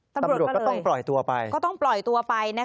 ตำรวจก็ต้องปล่อยตัวไป